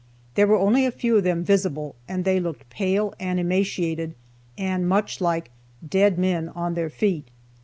There were only a few of them visible, and they looked pale and emaciated, and much like "dead men on their feet."